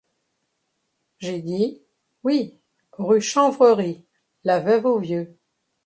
J’ai dit : Oui, rue Chanvrerie, la veuve au vieux.